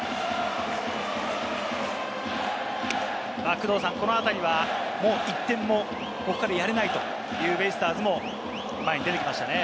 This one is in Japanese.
工藤さん、このあたりはもう１点もやれないというベイスターズも前に出てきましたね。